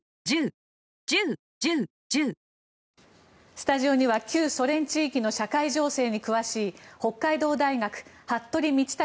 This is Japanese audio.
スタジオには旧ソ連地域の社会情勢に詳しい北海道大学服部倫卓